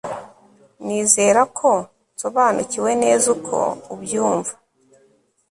Nizera ko nsobanukiwe neza uko ubyumva